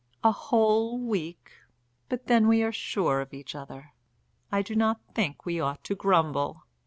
"A whole week! But then we are sure of each other. I do not think we ought to grumble."